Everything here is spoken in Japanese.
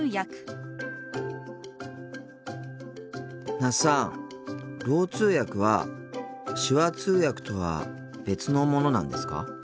那須さんろう通訳は手話通訳とは別のものなんですか？